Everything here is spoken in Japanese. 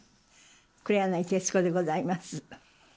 黒柳徹子でございます。